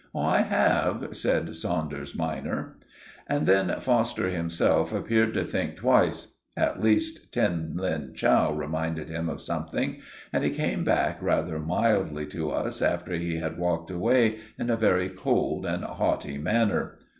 "I have," said Saunders minor. And then Foster himself appeared to think twice. At least, Tin Lin Chow reminded him of something, and he came back rather mildly to us after he had walked away in a very cold and haughty manner.